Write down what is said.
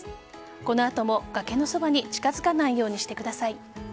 この後も崖のそばに近づかないようにしてください。